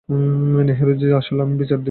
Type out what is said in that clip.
নেহেরু জী আসলে আমি, বিচার দিবো আপনার।